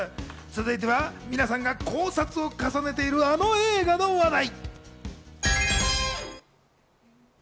続いては皆さんが考察を重ねているあの映画の話題。